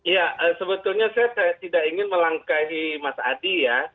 ya sebetulnya saya tidak ingin melangkahi mas adi ya